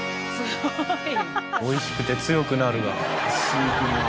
「おいしくてつよくなる」が。